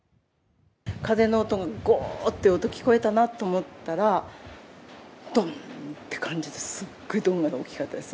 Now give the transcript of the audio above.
風の音が、ごーっていう音聞こえたなと思ったら、どんって感じで、すっごいどん大きかったです。